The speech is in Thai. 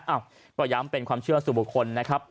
อ้าวก็ย้ำเป็นความเชื่อสู่บุคคลนะครับ